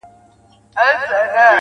• زما اشنا خبري پټي ساتي.